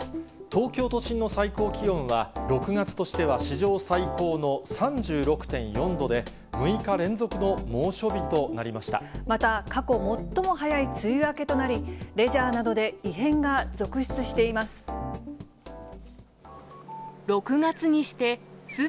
東京都心の最高気温は、６月としては史上最高の３６．４度で、６日連続の猛暑日となりままた過去最も早い梅雨明けとなり、レジャーなどで異変が続出しています。